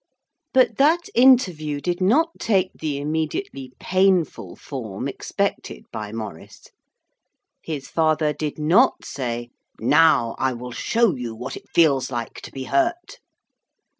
But that interview did not take the immediately painful form expected by Maurice. His father did not say, 'Now I will show you what it feels like to be hurt.'